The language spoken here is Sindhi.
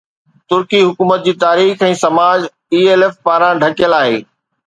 ترڪي حڪومت جي تاريخ ۽ سماج ELF پاران ڍڪيل آهي